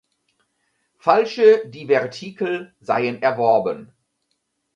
Falsche Divertikel seien erworben.